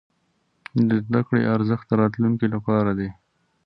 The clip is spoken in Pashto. د زده کړې ارزښت د راتلونکي لپاره دی.